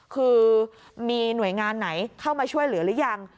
คือมีหน่วยงานไหนเข้ามาช่วยเหลือหรือยัง